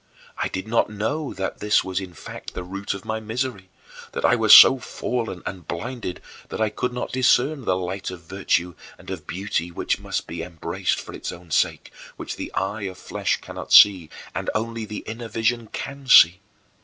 I did not know that this was in fact the root of my misery: that I was so fallen and blinded that I could not discern the light of virtue and of beauty which must be embraced for its own sake, which the eye of flesh cannot see, and only the inner vision can see.